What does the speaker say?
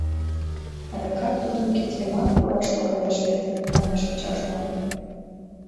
— Адакат тудын кид йымак пураш логалеш вет, — манеш ачажлан.